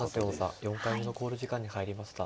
永瀬王座４回目の考慮時間に入りました。